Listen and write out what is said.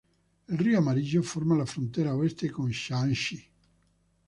El río Amarillo forma la frontera oeste con Shaanxi.